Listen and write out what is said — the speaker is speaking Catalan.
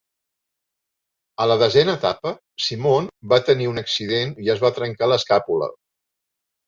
A la desena etapa, Simon va tenir un accident i es va trencar l'escàpula.